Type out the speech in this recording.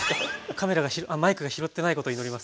カメラがマイクが拾ってないことを祈ります。